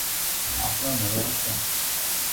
আপনার মনে আছে?